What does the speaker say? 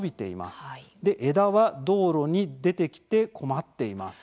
枝は道路に出てきて困っています。